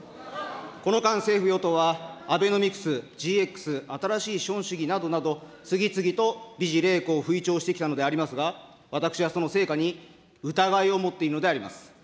この間、政府・与党はアベノミクス、ＧＸ、新しい資本主義などなど、次々と美辞麗句を吹聴してきたのでありますが、私はその成果に疑いを持っているのであります。